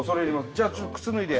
じゃあ靴脱いで。